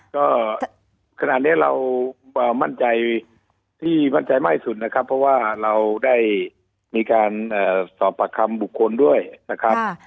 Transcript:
ก็ขณะนี้เรามั่นใจที่มั่นใจมากสุดนะครับเพราะว่าเราได้มีการสอบปากคำบุคคลด้วยนะครับ